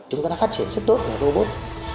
chúng ta đã phát triển rất tốt về robot